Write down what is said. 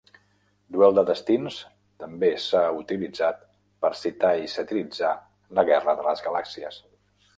"Duel de destins" també s'ha utilitzat per citar i satiritzar "La guerra de les galàxies".